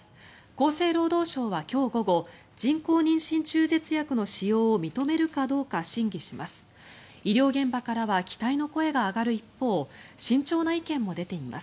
厚生労働省は今日午後人工妊娠中絶薬の使用を認めるかどうか審議します。